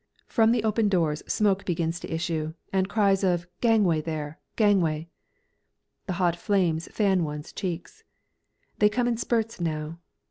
From the open doors smoke begins to issue, and cries of "Gangway, there! Gangway!" The hot flames fan one's cheeks. They come in spurts now.